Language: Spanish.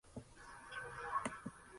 Siempre te he estado esperando.